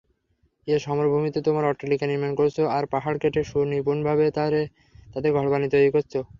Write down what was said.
এর সমভূমিতে তোমরা অট্টালিকা নির্মাণ করছ আর পাহাড় কেটে সুনিপুণভাবে তাতে ঘরবাড়ি তৈরি করছ।